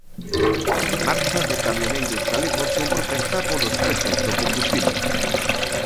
Marcha de camioneiros galegos en protesta polos prezos do combustíbel.